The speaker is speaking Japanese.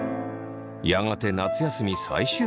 やがて夏休み最終日。